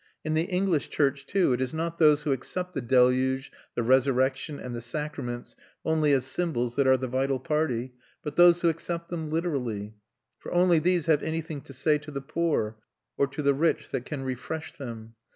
In the English church, too, it is not those who accept the deluge, the resurrection, and the sacraments only as symbols that are the vital party, but those who accept them literally; for only these have anything to say to the poor, or to the rich, that can refresh them.